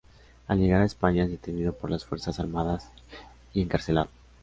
Al llegar a España es detenido por las fuerzas armadas y encarcelado.